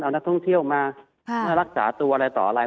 เอานักท่องเที่ยวมาเมื่อรักษาตัวอะไรต่ออะไร